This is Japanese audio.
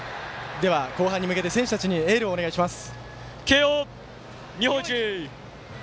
後半に向けて選手たちにエールをお願いします。